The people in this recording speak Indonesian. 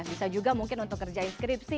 bisa juga mungkin untuk kerja inskripsi